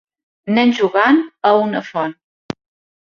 Nens jugant a una font.